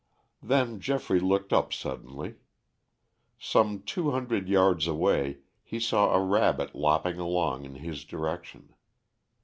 Then Geoffrey looked up suddenly. Some two hundred yards away he saw a rabbit lopping along in his direction.